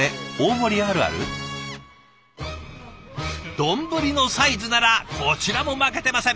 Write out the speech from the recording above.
丼のサイズならこちらも負けてません。